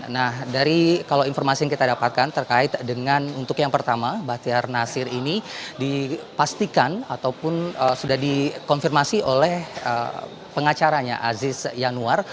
nah dari kalau informasi yang kita dapatkan terkait dengan untuk yang pertama bahtiar nasir ini dipastikan ataupun sudah dikonfirmasi oleh pengacaranya aziz yanuar